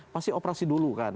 pasti operasi dulu kan